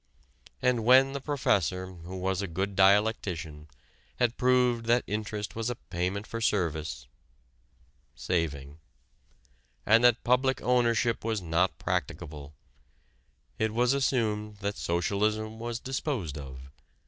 And when the professor, who was a good dialectician, had proved that interest was a payment for service ("saving") and that public ownership was not practicable, it was assumed that socialism was disposed of.